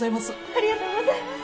ありがとうございます！